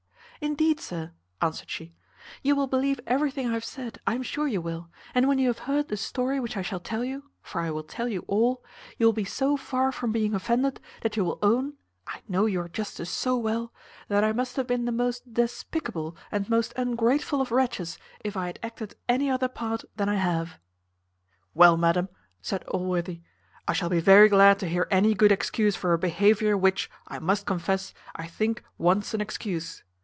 "Indeed, sir," answered she, "you will believe everything I have said, I am sure you will: and when you have heard the story which I shall tell you (for I will tell you all), you will be so far from being offended, that you will own (I know your justice so well), that I must have been the most despicable and most ungrateful of wretches if I had acted any other part than I have." "Well, madam," said Allworthy, "I shall be very glad to hear any good excuse for a behaviour which, I must confess, I think wants an excuse.